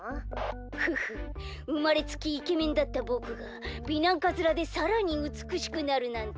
ふふうまれつきイケメンだったぼくが美男カズラでさらにうつくしくなるなんて。